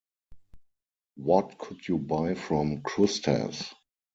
What could you buy from Kroustas?